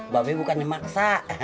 babe bukannya maksa